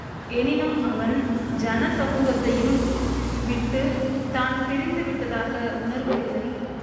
எனினும் அவன் ஜன சமூகத்தையும் விட்டுத் தான் பிரிந்துதுவிட்டதாக உணர்வதில்லை.